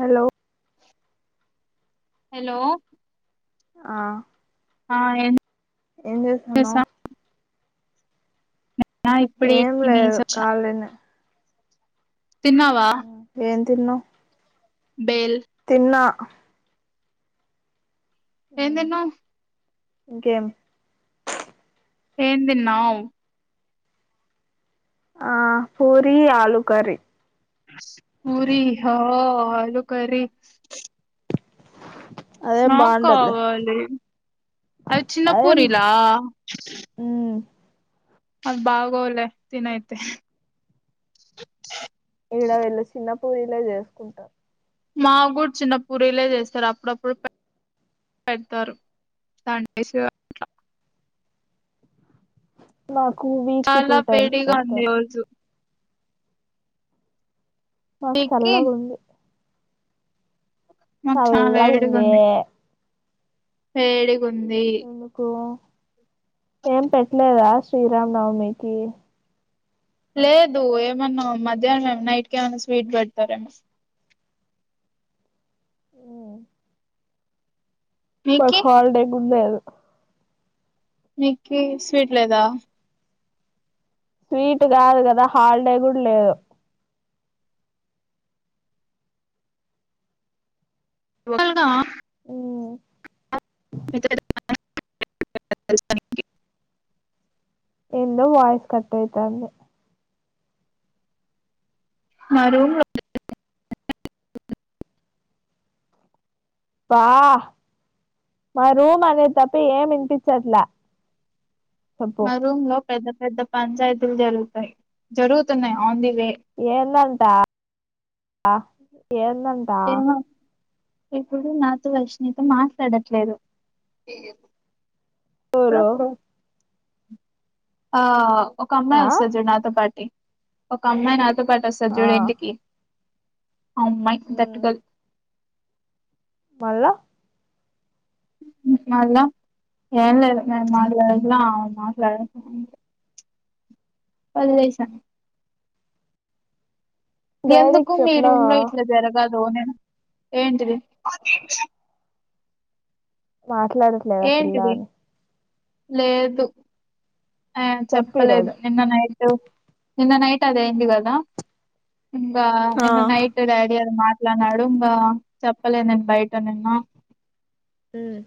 Hello hello ఆ ఆ ఏం ఎం చేస్తున్నావు చేసా ఆ ఇప్పుడే ఏం తినేసి లేదు వచ్చ ఖాళీనే తిన్నావా తన్నాం బేల్ ఆ ఎం తిన్నావ్ ఇకేం ఏంది తిన్నం ఆ పూరి ఆలు కర్రీ పూరి హా ఆలు కర్రీ అదేం బాగుండదులే నాకావాలి అది చిన్న అదేం పూరిలా అ బాగొలే తినయితే ఈడ వీళ్ళు చిన్న పూరీలే చేసుకుంటారూ మా కూడా చిన్న పూరీలే చేస్తారు అప్పుడప్పుడు పెడతారు వా చాలా వేడిగా ఉంది ఇ రోజు మాకు నీకి సళ్ళగా ఉంది మాకు చాలా చల్లగా వేడిగా ఉందే ఉంది వేడిగా కుంది ఎందుకు ఏం పెట్టలేదా శ్రీరామ నవమికి లేదు ఏమన్నా మధ్యాహ్నం మే నైట్ క ఏమన్నా స్వీట్ పెడతారేమో అ ఒక నీకి హల్డే కూడా లేదు నికి స్వీట్ లేదా స్వీట్ కాదు కదా హాలిడే కూడా లేదు నిర్మాల్గా ఓ మ [unintelligible] ఎందొ వయిస్ కట్టయితంది మా రూమ్ లో [unintelligible] బా మా రూమ్ అనేది తప్పి ఏమి వినిపించట్లా చెప్పు మా రూమ్ లో పెద్ద పెద్ద పంచాయతీలు జరుగుతాయి జరుగుతున్నాయి ఆన్లీ ఏంటంటా ఏం అంటా ఏమో ఇప్పుడు నాతో వర్షిణి తొ మాట్లాడట్లేదు ఎవరు ఎప్పుడప్పుడు ఆ ఒక అమ్మాయి ఆ వస్తది జూడు నాతో పాటి ఒక అమ్మాయి నాకు తో పాటు వస్తది ఆ చూడు ఇంటికి ఆ అమ్మాయి తట్టుకోదు మళ్ళ మళ్ళ ఏం లేదు నేను మాట్లాడట్ల ఆమె మాట్లాడట్ల వదిలేసా ఎందుకు డాడీకి ఈ చెప్పలా రూమ్ లో ఇట్లా జరగాదు ఏంటిది మాట్లాడట్లేదా పిల్లా ఏంటిది అని లేదు ఆ చెప్పు చెప్పలేదు ఈరోజు నిన్న నైట్ నిన్న నైట్ అది అయింది కదా ఇంక ఆ నిన్న నైట్ డాడి అది మా అట్లా నడుంద చెప్పలే నేను బయట నిన్న హ్మ్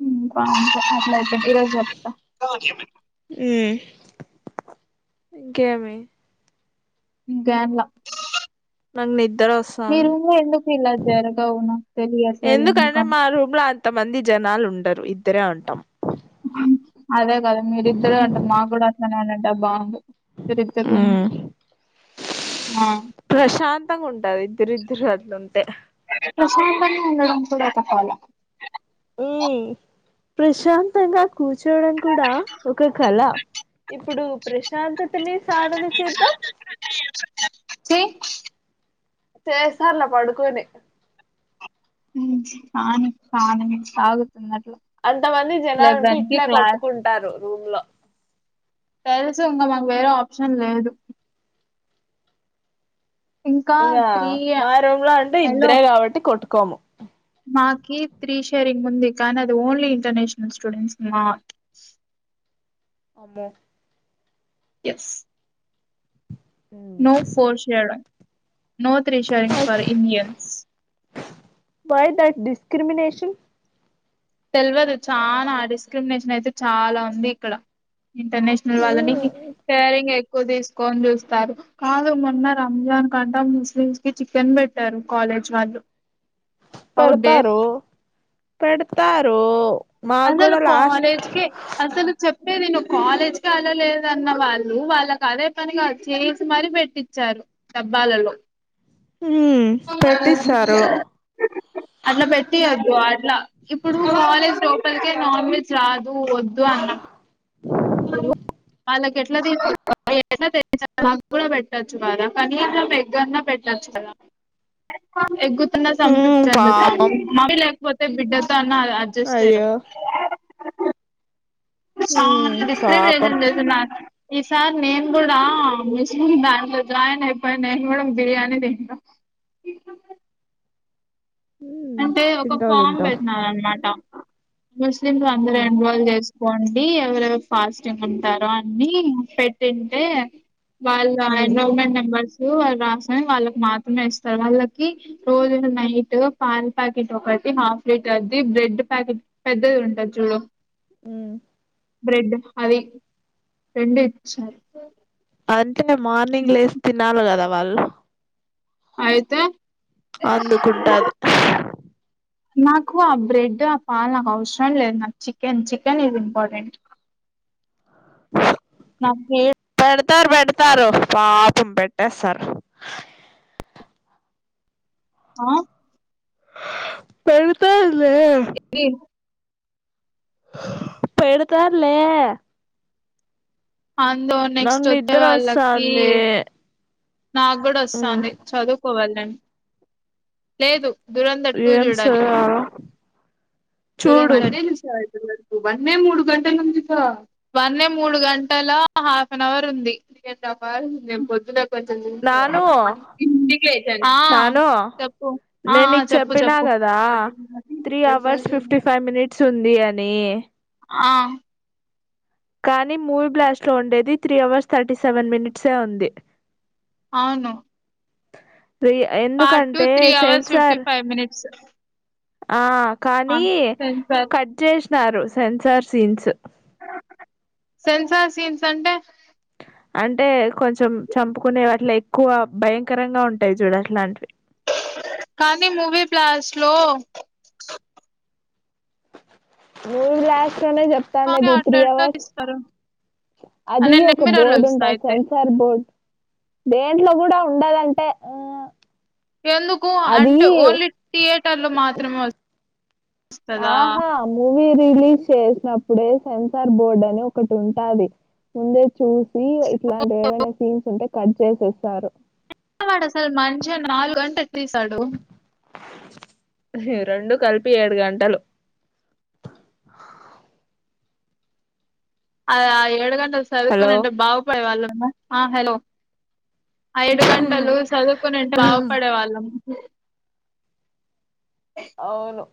హ్మ్ [unintelligible] అయితే ఈ రోజు చెప్తా ఇంకేమి ఇంకేం ల నాకు నిద్ర మీ వస్తాంది రూమ్ లో ఎందుకు ఇలా జరగావు నాకు తెలియట్లేదు ఎందుకని కొంతమంది జనాలు ఉండరు ఇద్దరే ఉంటాం అదే కదా మీరిద్దరు అంటే మాకు కూడా ఇంక నేనుంటే బావుండు ఇద్దరిద్దరు రూమ్ కి ఉమ్ ఆ ప్రశాంతంగా ఉంటాది ఇద్దరిద్దరు అట్లుంటే ప్రశాంతంగా ఉండడం కూడా ఒక కళ హ్మ్ ప్రశాంతంగా కూర్చోడం కూడా ఒక కళ ఇప్పుడు ప్రశాంతతని సాధన చేద్దాం చెయ్. చేసారులే పడుకొని [unintelligible] అంత మంది జనాలు ఉంటే ఇట్లే క్లాస్. కొట్టుకుంటారు రూమ్ లో తెలుసు ఇంక మాకు వేరే ఆప్షన్ లేదు ఇంకా మా రూమ్ లో అంటే హలో ఇద్దరే కాబట్టి కొట్టు కొము. మాకి త్రీ షేరింగ్ ఉంది కానీ అది ఓన్లీ ఇంటర్నేషనల్ స్టూడెంట్స్కి మాత్ర అమ్మో. ఎస్. నో ఫోర్స్ చేయలేం. No three sharing for Indians. క్రీమినేషన్. తెలవదు చాలా డిస్క్రిమినేషన్ అయితే చాలా ఉంది ఇక్కడ. ఇంటర్నేషనల్ వాళ్లని ఉమ్ కేరింగ్ ఎక్కు ఎక్కువ తీసుకొని చూస్తారు. కాదు మొన్న రంజాన్ కంటా ముస్లిమ్స్ కి చికెన్ పెట్టారు కాలేజ్ వాళ్ళు. హౌ డేర్ పెడతారు. పెడతారు. మాకు అసలు కూడా లాస్ట్ కాలేజ్ కే అసలు చెప్. అదే నేను కాలేజ్ కే వేలలేదన్న వాళ్ళు వాళ్ళకి అదే పనిగా చేసి మరీ పెట్టించారు డబ్బాలలో. ఉమ్ పెట్టిస్తారు అట్లా పెట్టియొద్దు అట్లా ఇప్పుడు కాలేజీలో. కానీ నాన్వెజ్ రాద్. వద్దు అన్నం. వాళ్ళకి ఎట్లా [unintelligible] నాకు కూడా పెట్టొచ్చు కదా కనీసం ఎగ్గన్నా పెట్టొచ్చు కదా. ఎగ్గుతున్న ఉమ్ పాపం [unintelligible] లేకపోతే ఆహ్ బిడ్డక్ కానీ అది అడ్జెస్ట్ చేయడం. అయ్యో ఇస్తా ఉమ్ డిఫరెంట్ ఏమీ పాపం లేకుంటాయి. ఈసారి నేను కూడా మస్ బ్యాంక్ లో జాయిన్ అయిపోయి నేను కూడా బిర్యానీ తింటా. ఉమ్ అంటే ఒక తింటావు ఫామ్ తింటావు పెట్టినారనమాట. ముస్లింలు అందరూ ఉమ్ ఎన్వాల్వ్ చేస్ వండి అందరు. ఫాస్టింగ్ ఉంటారు అన్ అని పెట్టింటే. వాళ్ళ ఉమ్ ఎండోరుమెంట్ నెంబర్స్. వాళ్ళు రాసరని వాళ్ళకి మాత్రమే ఇస్తారు. వాళ్ళకి రోజుకు నైట్. పాల ప్యాకెట్ ఒకటి హాఫ్ లీటర్ది బ్రెడ్ ప్యాకెట్ పెద్దది ఉంటది చూడు. ఉమ్. బ్రెడ్ అవే రెండు ఇచ్చారు. అదంటే నే మార్నింగ్ లేసి తినాలి కదా వాళ్ళు. ఆయతే అందుకుంటది నాకు ఆ బ్రెడ్ ఆ పాల్ నాకు అవసరం లేదు నాకు చికెన్ చికెన్ ఇజ్ ఇంపార్టెంట్ నా పెడతారు పెడతారు పాపం పెట్టేస్తారు ఆ పెరుగుత క లే ఇది. ఇప్పు ఎడుతారులే అందు నెక్స్ట్ వచ్చే నిద్ర వాళ్ళకి వస్తాంది నాకు కూడా ఉమ్ వస్తుాంది చదువు కోవాలని లేదు దురధ టూ ఏం జూడాలి చదవాలో దర చూడు వ మూడు గంటల ను వన్న మూడు గంటల హాఫ్ అన్ అవర్ ఉందివే పొద్దు చెప్పు నాను నాను నేను నీకు చెప్పు చెప్పినా చెప్పు కదా నే ఆ కానీ మూవీ బ్లాస్ట్ లో ఉండేది త్రీ అవర్స్ థర్టీ సెవెన్ మినిట్సే ఉంది అవును ి పార్ట్ టూ ఎందుకంటే three hours fifty censor five minutes ఆ కానీ సెన్సార్ కట్ చేసి సెన్సార్ సీన్స్ సెన్సార్ సీన్స్ అంటే అంటే కొంచెం చంపుకునేవి అట్ల ఎక్కువ భయంకరంగా ఉంటాయి చూడు అట్లాంటివి కానీ మూవీ ప్లాస్ లో నూడు లలాక్ లోనే చెప్తాం కానీ అది అట్లా త్రీ ఎట్లా అవర్స్ తీస్తారు అది నేను ఒక నెట్ మిర్రర్ లో బోర్డు చూస్తా ఉంటుంది అయితే సెన్సార్ బోర్డు దేంట్లో కూడా ఉండాలంటే ఆ ఎందుకు అది అంటే ఓన్లీ థియేటర్లు మాత్రమే వ వస్తుందా ఆహా! మూవీ రిలీజ్ చేసినప్పుడే సెన్సార్ బోర్డ్ అని ఒకటి ఉంటుది ముంద చూసి ఇట్లాంటి ఏవైనా సీన్స్ ఉంటే కట్ చేసి ఇస్తారు చివాడు అసలు మంచి నాలుగు అంటే తీసాడు రెండు కలిపి ఏడు గంటలు ఆ ఏడు గంట హలో! చదువుకోొనింటే బాగుపడే వాళ్ళం ఆ హలో ఐదు గంటలు చదువుకొని ఉంటే బాగుపడే వాళ్ళం అవును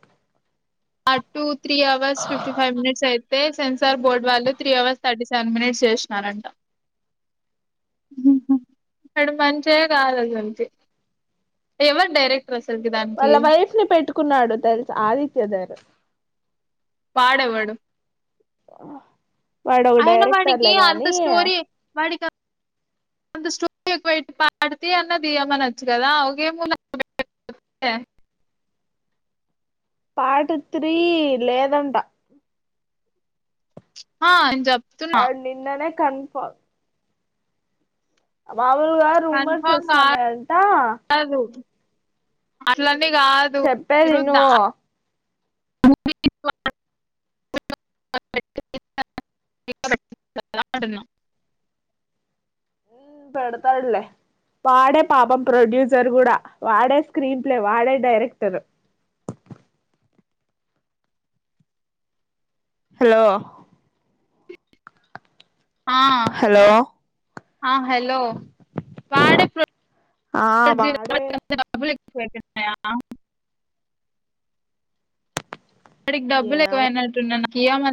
అటు three hours fifty five minutes అయితే సెన్సార్ బోర్డ్ వాళ్ళు three hours thirty seven minutes చేస్తున్నారంట ఉహు వాడు మనిషి కాదు అస్సలికి ఎవరు డైరెక్ట్ వాళ్ళ వైఫ్ ని పెట్టుకున్నాడు తెలుసా ఆదిత్యగారు వాడు ఎవడు వాడు ఒక అయిన వాడికి డైరెక్టర్లే అంత గానీ స్టోరీ వాడికి అంత స్టోరీ ఎక్కువ పార్ట్ త్రి అన్న తీయమనొచ్చు కదా ఒకే [inaudible] పాట్ త్రీ లేదంట ఆహా జబ్ వాడు నిన్ననే కన్ఫా మామూలుగా రూమర్స్ కన్ఫామ్ వస్తున్నయంట అట్లా చెప్పేది ఇను [inaudible] హు పెడతాడులే వాడే పాపం ప్రొడ్యూసర్ కూడా వాడే స్క్రీన్ ప్లే వాడే డైరెక్టర్ హలో ఆహ హలో ఆ హలో వాడే ఆ ప్రొడ్యూసర్ వాడే [inaudible] సేటెస్ వున్నాయా వాడికి డబ్బు ఏం ఎక్కువ అయినట్టున్నా కీయ